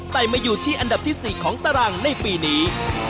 แต่มาอยู่ที่อันดับที่๔ของตารางในปีนี้